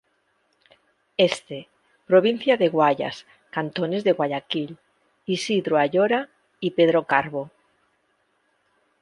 Este: Provincia del Guayas, cantones de Guayaquil, Isidro Ayora y Pedro Carbo.